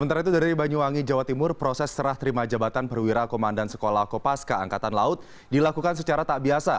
sementara itu dari banyuwangi jawa timur proses serah terima jabatan perwira komandan sekolah kopaska angkatan laut dilakukan secara tak biasa